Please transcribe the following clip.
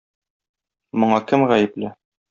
Моңа кем гаепле?